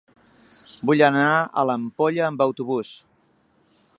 Vull anar a l'Ampolla amb autobús.